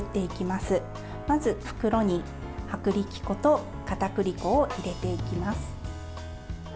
まず、袋に薄力粉とかたくり粉を入れていきます。